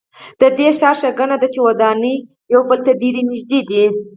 د دې ښار ښېګڼه ده چې ودانۍ یو بل ته ډېرې نږدې دي.